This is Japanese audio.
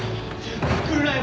来るなよ